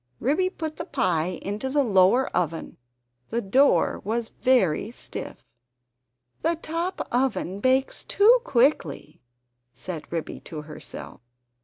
Ribby put the pie into the lower oven; the door was very stiff. "The top oven bakes too quickly," said Ribby to herself.